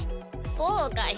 そうかい。